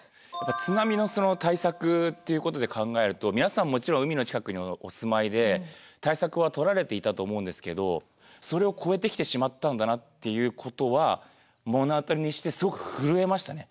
津波のその対策っていうことで考えると皆さんもちろん海の近くにお住まいで対策は取られていたと思うんですけどそれを超えてきてしまったんだなっていうことは目の当たりにしてすごく震えましたね。